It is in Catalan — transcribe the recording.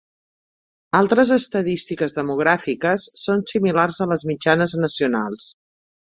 Altres estadístiques demogràfiques són similars a les mitjanes nacionals.